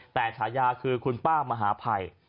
แต่ฉายาคือคุณป้ามหาภัย